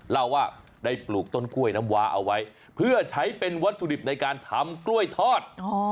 เล่าว่าได้ปลูกต้นกล้วยน้ำวาเอาไว้เพื่อใช้เป็นวัตถุดิบในการทำกล้วยทอด